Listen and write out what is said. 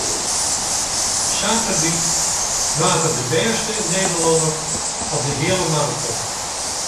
Saterdei waard er de bêste Nederlanner op de heale maraton.